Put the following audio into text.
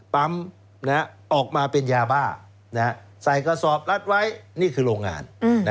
ปั๊มออกมาเป็นยาบ้าใส่กระสอบรัดไว้นี่คือโรงงาน